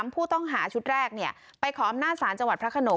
ผู้ต้องหาชุดแรกไปขออำนาจศาลจังหวัดพระขนง